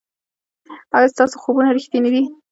ایا ستاسو خوبونه ریښتیني دي؟